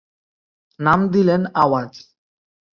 নাম দিলেন আওয়াজ।